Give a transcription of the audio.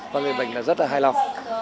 và người bệnh là rất là hài lòng